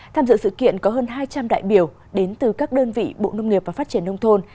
tham dự sự kiện có hơn hai trăm linh đại biểu đến từ các đơn vị bộ nông nghiệp và phát triển nông thôn